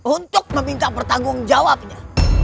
untuk meminta pertanggung jawabnya